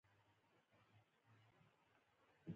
دوی د ونو له نغوړګیو او پاڼو څخه خواړه برابروي په پښتو کې.